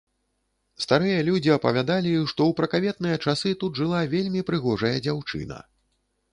Старыя людзі апавядалі, што ў пракаветныя часы тут жыла вельмі прыгожая дзяўчына.